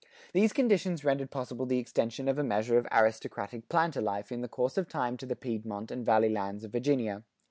These conditions rendered possible the extension of a measure of aristocratic planter life in the course of time to the Piedmont and Valley lands of Virginia.